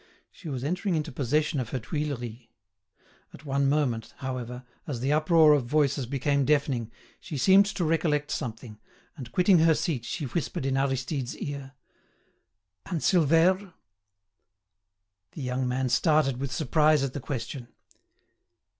She was entering into possession of her Tuileries. At one moment, however, as the uproar of voices became deafening, she seemed to recollect something, and quitting her seat she whispered in Aristide's ear: "And Silvère?" The young man started with surprise at the question.